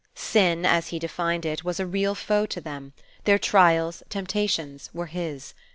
Sin, as he defined it, was a real foe to them; their trials, temptations, were his.